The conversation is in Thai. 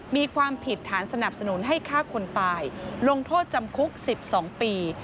มีความผิดฐานสนับสนุนให้ฆ่าคนตายลงโทษจำคุก๑๒ปี